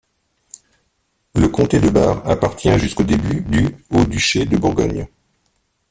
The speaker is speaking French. Le comté de Bar appartient jusqu'aux débuts du au duché de Bourgogne.